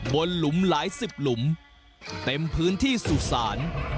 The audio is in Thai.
หลุมหลายสิบหลุมเต็มพื้นที่สุสาน